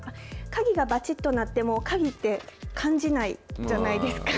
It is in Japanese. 鍵がばちっとなっても、鍵って感じないじゃないですか。